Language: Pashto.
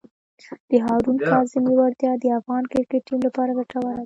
د هارون کاظمي وړتیا د افغان کرکټ ټیم لپاره ګټوره ده.